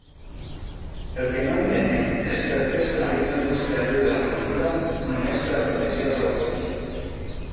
El que no entenem és per què es penalitza l'ús creatiu de la cultura només per a protegir els autors.